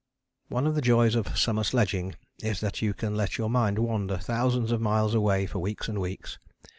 One of the joys of summer sledging is that you can let your mind wander thousands of miles away for weeks and weeks.